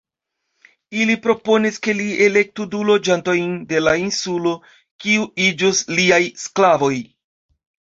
Ili proponis ke li elektu du loĝantojn de la insulo, kiu iĝus liaj sklavoj.